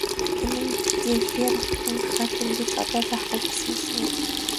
Энэ нь де Пейрак гүн ахайтан гэж одоо байхгүй болсон гэсэн үг.